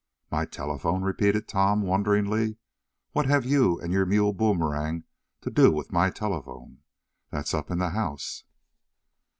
"My telephone?" repeated Tom, wonderingly. "What have you and your mule Boomerang to do with my telephone? That's up in the house."